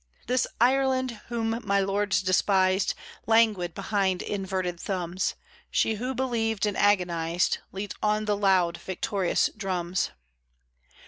This Ireland whom my lords despised Languid behind inverted thumbs She who believed and agonised Leads on the loud, victorious drums.